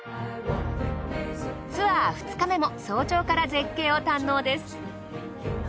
ツアー２日目も早朝から絶景を堪能です。